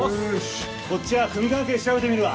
こっちは組関係調べてみるわ。